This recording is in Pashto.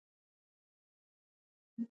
د افغانستان په منظره کې آمو سیند ښکاره ده.